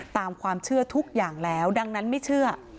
ตามความเชื่อทุกอย่างแล้วดังนั้นไม่เชื่อ